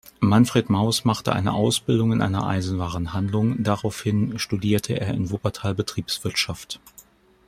Manfred Maus machte eine Ausbildung in einer Eisenwarenhandlung, daraufhin studierte er in Wuppertal Betriebswirtschaft.